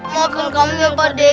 maafkan kami pak d